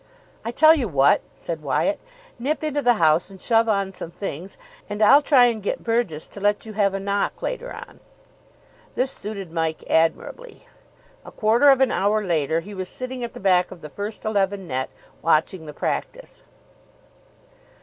"I tell you what," said Wyatt, "nip into the house and shove on some things, and I'll try and get Burgess to let you have a knock later on." This suited Mike admirably. A quarter of an hour later he was sitting at the back of the first eleven net, watching the practice.